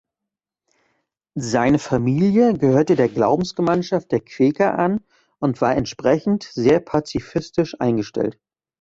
Seine Familie gehörte der Glaubensgemeinschaft der Quäker an und war entsprechend sehr pazifistisch eingestellt.